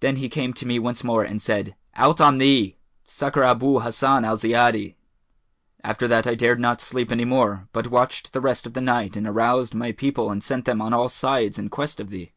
Then he came to me once more and said, 'Out on thee! Succour Abu Hassan al Ziyadi!' After that I dared not sleep any more, but watched the rest of the night and aroused my people and sent them on all sides in quest of thee.'